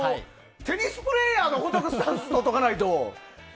テニスプレーヤーのごとくスタンスをとっとかないと。